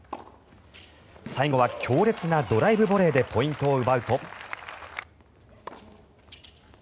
最後は強烈なドライブボレーでポイントを奪うと。